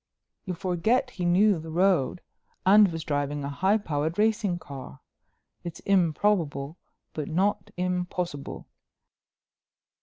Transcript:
"You forget he knew the road and was driving a high powered racing car. It's improbable but not impossible."